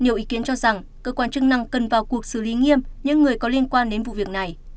nhiều ý kiến cho rằng cơ quan chức năng cần vào cuộc xử lý nghiêm những người có liên quan đến vụ việc này